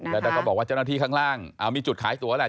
แล้วก็บอกว่าเจ้าหน้าที่ข้างล่างมีจุดขายตัวแหละ